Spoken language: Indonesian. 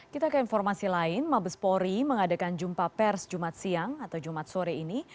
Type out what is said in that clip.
kita ke informasi lain mabespori mengadakan jumpa pers jumat siang atau jumat sore ini